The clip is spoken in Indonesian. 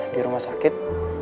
di rumah sakit